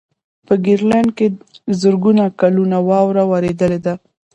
په ګرینلنډ کې زرګونه کلونه واوره ورېدلې ده.